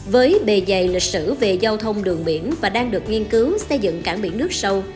với bề dày lịch sử về giao thông đường biển và đang được nghiên cứu xây dựng cảng biển nước sâu